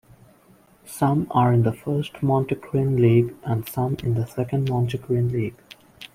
Some are in the First Montenegrin league and some in the Second Montenegrin league.